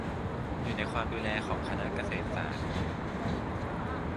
อยู่ในความดูแลของคณะเกษตรศาสตร์